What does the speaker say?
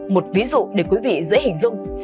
một ví dụ để quý vị dễ hình dung